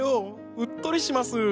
うっとりします。